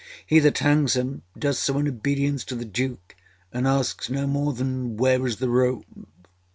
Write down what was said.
He that hangs him does so in obedience to the Duke, and asks no more than âWhere is the rope?